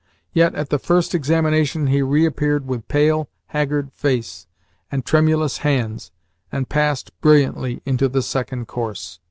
Yet at the first examination he reappeared with pale, haggard face and tremulous hands, and passed brilliantly into the second course!